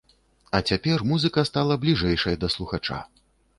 А цяпер музыка стала бліжэйшай да слухача!